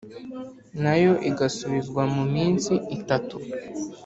na yo igasubizwa mu minsi itatu